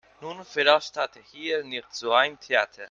Nun veranstalte hier nicht so ein Theater.